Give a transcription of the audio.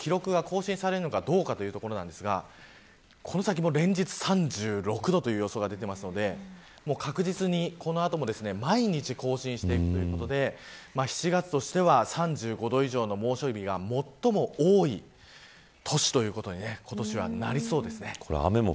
この後記録が更新されるのかどうかということとこの先も連日３６度という予想が出ていますので確実にこの後も毎日更新していくということで７月としては３５度以上の猛暑日が最も多い年ということに今年はなりそうですね。